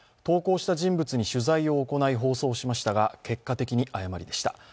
投稿した人物に取材を行い放送しましたが結果的に誤りでした。